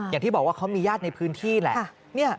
อย่างที่บอกว่าเขามีญาติในพื้นที่แหละ